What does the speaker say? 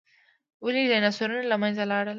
ولې ډیناسورونه له منځه لاړل؟